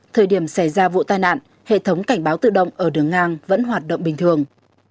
thời điểm xảy ra vụ tai nạn hệ thống cảnh báo tự động ở đường ngang vẫn hoạt động bình thường